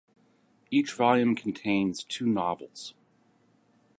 Each volume contains two novels.